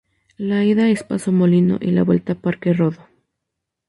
La ida es Paso Molino y la vuelta Parque Rodó.